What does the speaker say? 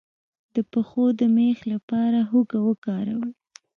د پښو د میخ لپاره هوږه وکاروئ